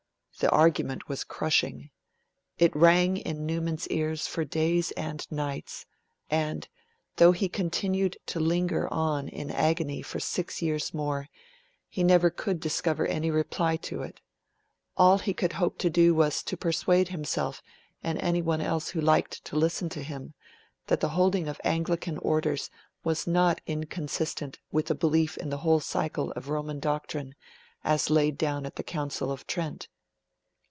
The argument was crushing; it rang in Newman's ears for days and nights; and, though he continued to linger on in agony for six years more, he never could discover any reply to it. All he could hope to do was to persuade himself and anyone else who liked to listen to him that the holding of Anglican orders was not inconsistent with a belief in the whole cycle of Roman doctrine as laid down at the Council of Trent.